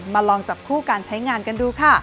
ลองจับคู่การใช้งานกันดูค่ะ